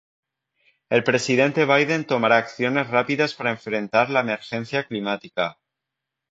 El presidente Biden tomará acciones rápidas para enfrentar la emergencia climática